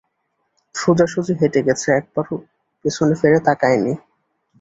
সোজাসুজি হেঁটে গেছে, একবারও পেছনে ফিরে তাকায় নি।